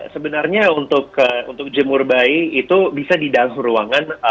sebenarnya untuk jemur bayi itu bisa di dalam ruangan